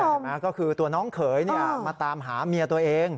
เห็นไหมก็คือตัวน้องเขยมาตามหาเมียตัวเอง